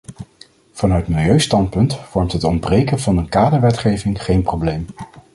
Vanuit milieustandpunt vormt het ontbreken van een kaderwetgeving geen probleem.